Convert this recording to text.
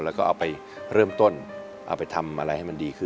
แล้วก็เอาไปเริ่มต้นเอาไปทำอะไรให้มันดีขึ้น